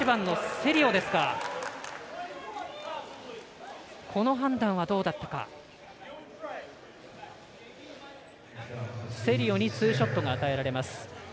セリオにツーショットが与えられます。